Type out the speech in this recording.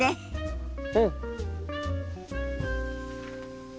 うん！